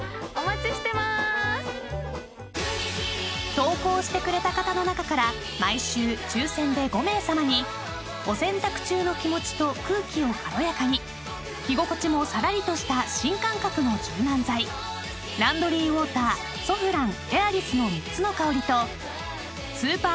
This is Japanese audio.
［投稿してくれた方の中から毎週抽選で５名さまにお洗濯中の気持ちと空気を軽やかに着心地もさらりとした新感覚の柔軟剤ランドリーウォーターソフランＡｉｒｉｓの３つの香りとスーパーＮＡＮＯＸ